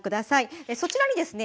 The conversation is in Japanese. そちらにですね